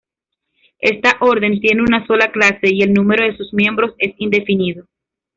Esta orden tiene una sola clase y el número de sus miembros es indefinido.